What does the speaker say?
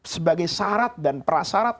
sebagai syarat dan prasyarat